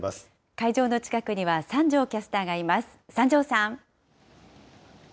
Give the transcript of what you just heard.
会場の近くには三條キャスターがいます。